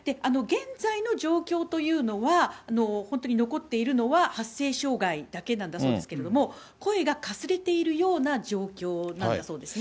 現在の状況というのは、本当に残っているのは発声障害だけなんだそうですけれども、声がかすれているような状況なんだそうですね。